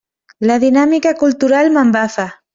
La dinàmica cultural m'embafa.